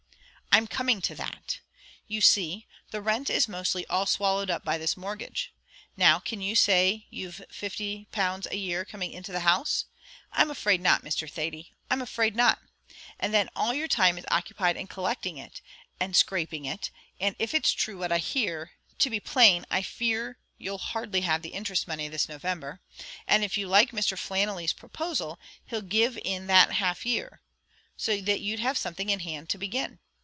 "I'm coming to that. You see the rent is mostly all swallowed up by this mortgage. Now can you say you've £50 a year coming into the house? I'm afraid not, Mr. Thady I'm afraid not; and then all your time is occupied in collecting it, and scraping it; and if it's true what I hear to be plain, I fear you'll hardly have the interest money this November; and if you like Mr. Flannelly's proposal, he'll give in that half year; so that you'd have something in hand to begin.